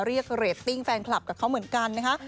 เรียกเรตติ้งแฟนคลับกับเขาเหมือนกันนะคะ